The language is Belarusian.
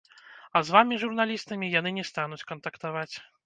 А з вамі, журналістамі, яны не стануць кантактаваць.